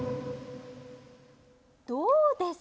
どうです？